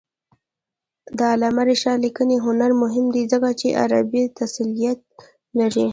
د علامه رشاد لیکنی هنر مهم دی ځکه چې عربي تسلط لري.